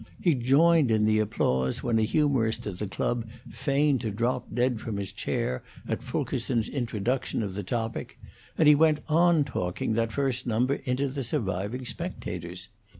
He joined in the applause when a humorist at the club feigned to drop dead from his chair at Fulkerson's introduction of the topic, and he went on talking that first number into the surviving spectators.